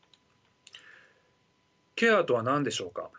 ケアとは何でしょうか。